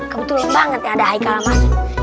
kebetulan banget ya ada haikalah mas